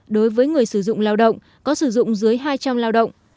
đối với người sử dụng lao động có sử dụng dưới hai trăm linh lao động